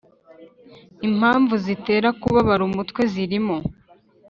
impamvu zitera kubabara umutwe zirimo